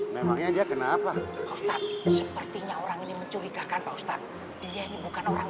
memangnya dia kenapa ustadz sepertinya orang ini mencurigakan pak ustadz dia ini bukan orang